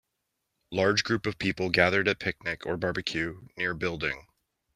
Large group of people gathered at picnic or barbecue near building.